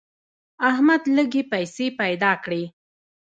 احمد لږې پیسې پیدا کړې.